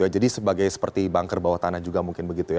jadi seperti bunker di bawah tanah juga mungkin begitu